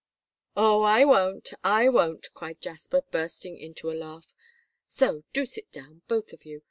"Oh, I won't, I won't," cried Jasper, bursting into a laugh, "so do sit down, both of you.